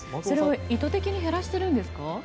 それは意図的に減らしているんですか？